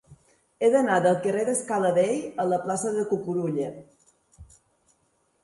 He d'anar del carrer de Scala Dei a la plaça de Cucurulla.